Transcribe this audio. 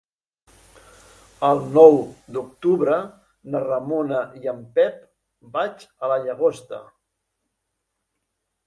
El nou d'octubre na Ramona i en Pep vaig a la Llagosta.